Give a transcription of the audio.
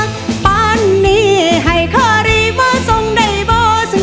มันจะเคี้ยวได้ด้วย